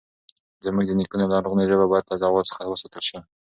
زموږ د نیکونو لرغونې ژبه باید له زوال څخه وساتل شي.